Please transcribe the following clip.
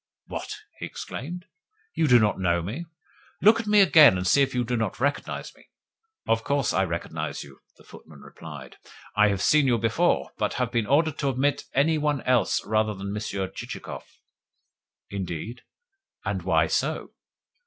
"What?" he exclaimed. "You do not know me? Look at me again, and see if you do not recognise me." "Of course I recognise you," the footman replied. "I have seen you before, but have been ordered to admit any one else rather than Monsieur Chichikov." "Indeed? And why so?"